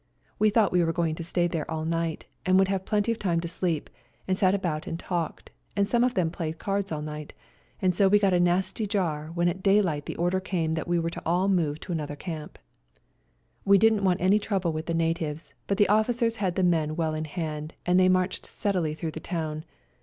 We thought we were going to stay there all night, and would have plenty of time to sleep, and sat about and talked, and some of them played cards all night ; so we got a nasty jar when at daylight the order came that we were all to move to another camp. We didn't want any trouble with the natives, but the officers had the men well in hand, and they marched steadily through the town.